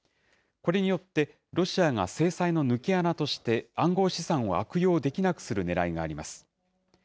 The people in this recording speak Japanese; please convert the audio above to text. これによって、ロシアが制裁の抜け穴として暗号資産を悪用できなくするねらいがあります。